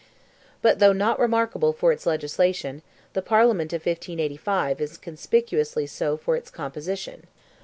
But though not remarkable for its legislation, the Parliament of 1585 is conspicuously so for its composition.